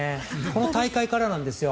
この大会からなんですよ。